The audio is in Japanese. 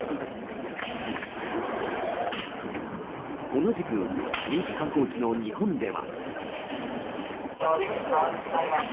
同じく人気観光地の日本では。